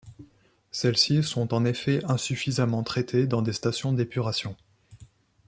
Celles-ci sont en effet insuffisamment traitées dans des stations d'épuration.